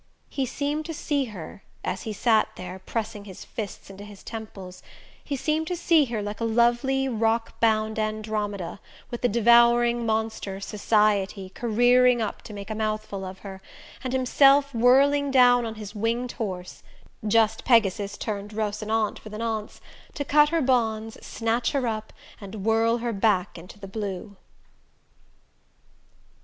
He seemed to see her as he sat there, pressing his fists into his temples he seemed to see her like a lovely rock bound Andromeda, with the devouring monster Society careering up to make a mouthful of her; and himself whirling down on his winged horse just Pegasus turned Rosinante for the nonce to cut her bonds, snatch her up, and whirl her back into the blue...